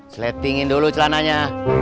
seletingin dulu celananya